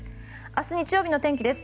明日日曜日の天気です。